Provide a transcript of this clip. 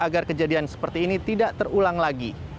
agar kejadian seperti ini tidak terulang lagi